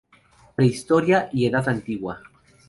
Prehistoria y Edad Antigua".